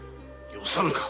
よさぬか！